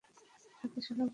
হাত সরাও তোমার।